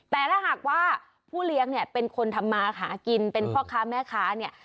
แต่ถ้าหากว่าผู้เลี้ยงเนี่ยเป็นคนทำมาหากินเป็นพ่อค้าแม่ค้าเนี่ย